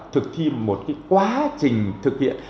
thực thi một cái quá trình thực hiện